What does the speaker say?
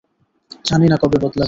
জানি না কবে বদলাবি।